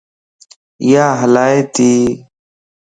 اِيا هلّا تي